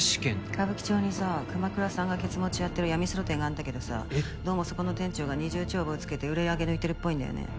歌舞伎町にさ熊倉さんがケツ持ちやってる闇スロ店があんだけどさどうもそこの店長が二重帳簿を付けて売り上げ抜いてるっぽいんだよね。